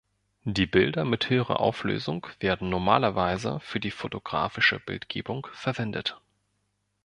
Die Bilder mit höherer Auflösung werden normalerweise für die fotografische Bildgebung verwendet.